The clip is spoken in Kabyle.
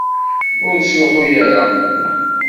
Ur ttṛuḥu ara!